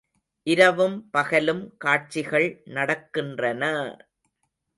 இரவும் பகலும் காட்சிகள் நடக்கின்றன!